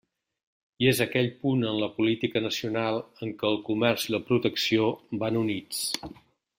I és aquell punt en la política nacional en què el comerç i la protecció van units.